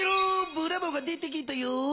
ブラボーが出てきたよ。